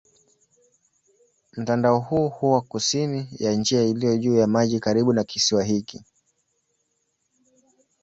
Mtandao huu huwa kusini ya njia iliyo juu ya maji karibu na kisiwa hiki.